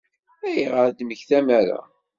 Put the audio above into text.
Ayɣer ur d-mmektan ara?